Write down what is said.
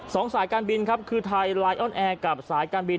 สายการบินครับคือไทยไลออนแอร์กับสายการบิน